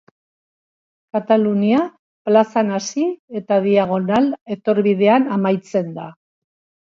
Katalunia plazan hasi eta Diagonal etorbidean amaitzen da.